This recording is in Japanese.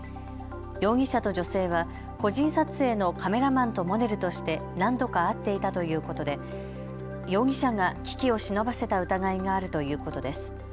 容疑者と女性は個人撮影のカメラマンとモデルとして何度か会っていたということで容疑者が機器を忍ばせた疑いがあるということです。